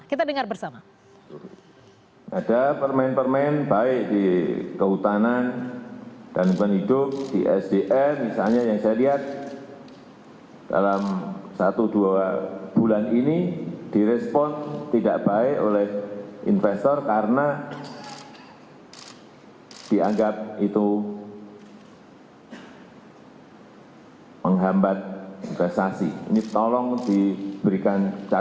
kita dengar bersama